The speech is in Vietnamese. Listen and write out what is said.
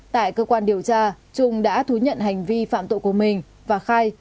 tại cơ quan điều tra trung đã thú nhận hành vi phạm tội của mình và khai